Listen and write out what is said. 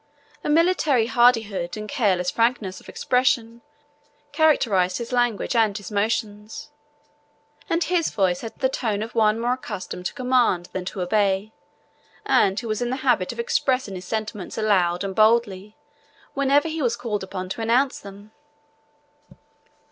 A military hardihood and careless frankness of expression characterized his language and his motions; and his voice had the tone of one more accustomed to command than to obey, and who was in the habit of expressing his sentiments aloud and boldly, whenever he was called upon to announce them.